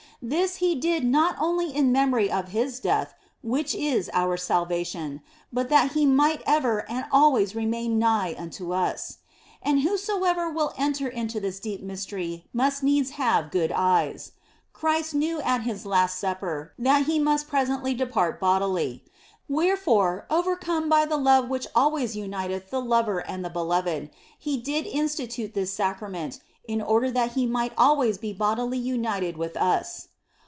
This He did not only in memory of His death, which is our salvation, but that He might ever and always remain nigh unto us. And whosoever will enter into this deep Mystery must needs have good eyes. Christ knew at His last supper that He must presently depart bodily ; wherefore, overcome by the love which always uniteth the lover and the beloved, He did institute this Sacra OF FOLIGNO 149 ment in order that He might always be bodily united with us.